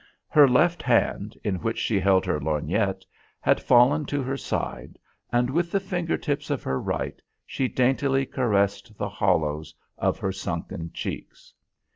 Her left hand, in which she held her lorgnette, had fallen to her side, and with the finger tips of her right she daintily caressed the hollows of her sunken cheeks.